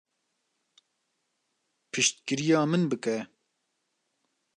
Piştgiriya min bike.